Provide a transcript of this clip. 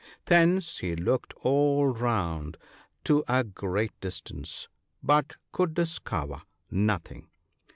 Thence he looked all round to a great distance, but could discover nothing.